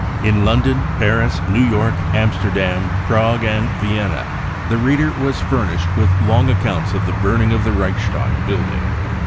In London, Paris, New York, Amsterdam, Prague and Vienna the reader was furnished with long accounts of the burning of the Reichstag building.